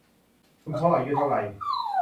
คุณพ่อ อายุเท่าไหร